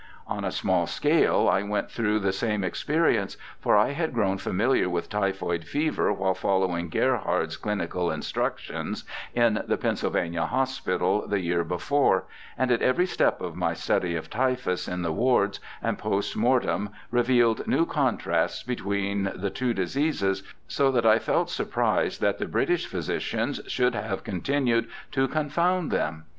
On a small scale I \vent through the same experience, for I had grown familiar with typhoid fever while following Gerhard's clinical instructions in the Pennsylvania Hospital the year before, and at every step of my study of typhus in the wards and post mortem revealed new contrasts between the two diseases, so that I felt surprised that the British physicians should have continued to confound them.